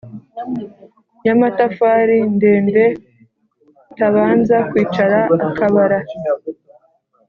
Y amatafari ndende utabanza kwicara akabara